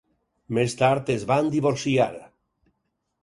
Més tard es van divorciar.